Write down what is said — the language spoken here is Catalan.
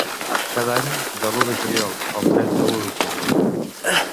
Cada any, de l'u de juliol al trenta-u d'octubre.